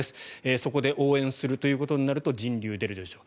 そこで応援するということになると人流が出るでしょう。